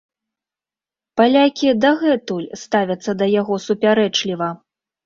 Палякі дагэтуль ставяцца да яго супярэчліва.